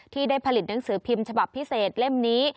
ที่ได้ผลิตหนังสือพิมพ์ฉบับพิเศษเล่มนี้